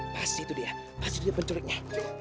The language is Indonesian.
pasti itu dia pasti dia pencuriknya